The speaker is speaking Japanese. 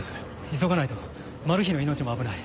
急がないとマルヒの命も危ない。